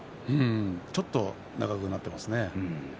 ちょっと長くなっていますね。